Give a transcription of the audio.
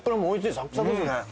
サクサクですね。